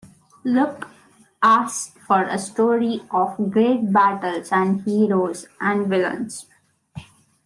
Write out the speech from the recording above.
Luc asks for a story of great battles and heroes and villains.